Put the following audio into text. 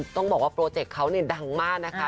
ต้องบอกว่าโปรเจกต์เขาเนี่ยดังมากนะคะ